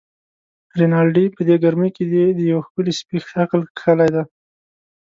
رینالډي: په دې ګرمۍ کې دې د یوه ښکلي سپي شکل کښلی دی.